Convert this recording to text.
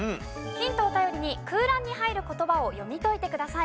ヒントを頼りに空欄に入る言葉を読み解いてください。